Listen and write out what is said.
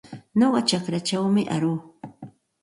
Nuqa chakraćhawmi aruu.